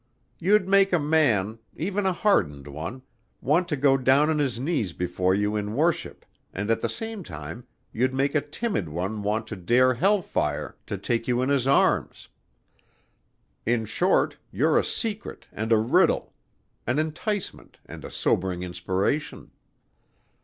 You'd make a man even a hardened one want to go down on his knees before you in worship and at the same time you'd make a timid one want to dare hellfire to take you in his arms. In short, you're a secret and a riddle: an enticement and a sobering inspiration."